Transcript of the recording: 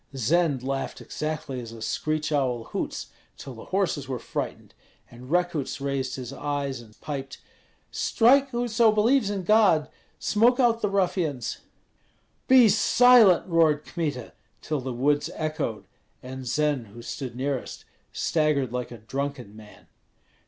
Zend laughed exactly as a screech owl hoots, till the horses were frightened; and Rekuts raised his eyes and piped, "Strike, whoso believes in God! smoke out the ruffians!" "Be silent!" roared Kmita, till the woods echoed, and Zend, who stood nearest, staggered like a drunken man.